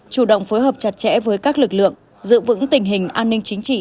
chủ động phối hợp chặt chẽ với các lực lượng giữ vững tình hình an ninh chính trị